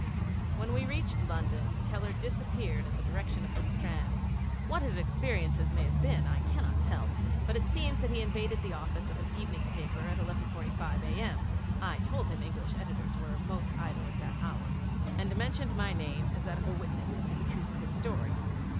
When we reached London Keller disappeared in the direction of the Strand. What his experiences may have been I cannot tell, but it seems that he invaded the office of an evening paper at 11.45 a.m. (I told him English editors were most idle at that hour), and mentioned my name as that of a witness to the truth of his story.